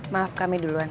maaf kami duluan